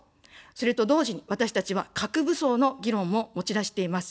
それと同時に私たちは、核武装の議論も持ち出しています。